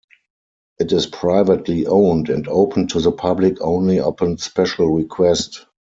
It is privately owned, and open to the public only upon special request.